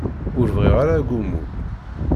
Ur bɣiɣ ara agummu.